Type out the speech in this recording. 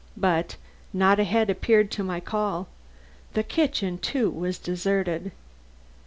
But not a head appeared at my call. The kitchen, too, was deserted.